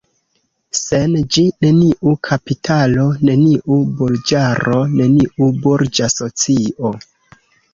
Sen ĝi, neniu kapitalo, neniu burĝaro, neniu burĝa socio.